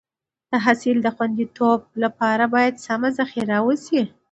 د حاصل د خونديتوب لپاره باید سمه ذخیره وشي.